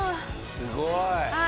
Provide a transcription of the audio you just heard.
すごい！